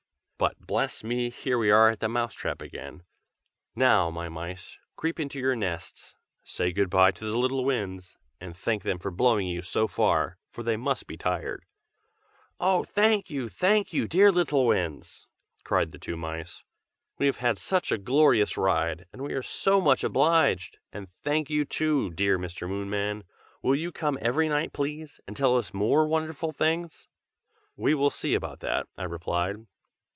But, bless me! here we are at the Mouse trap again. Now, my mice, creep into your nests! say good by to the little Winds, and thank them for blowing you so far, for they must be tired." "Oh! thank you! thank you! dear little Winds!" cried the two mice. "We have had such a glorious ride, and we are so much obliged! and thank you too, dear Mr. Moonman! will you come every night, please, and tell us more wonderful things?" "We will see about that!" I replied.